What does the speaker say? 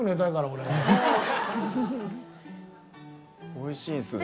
おいしいっすね。